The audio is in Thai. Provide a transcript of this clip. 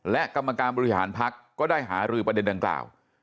และกรรมการบริหารพักก็ได้หารือประเด็นดังกล่าว